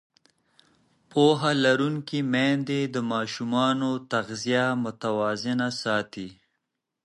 پوهه لرونکې میندې د ماشومانو تغذیه متوازنه ساتي.